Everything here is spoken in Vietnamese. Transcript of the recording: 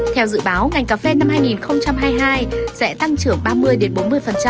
theo dự báo ngành cà phê năm hai nghìn hai mươi hai sẽ tăng trưởng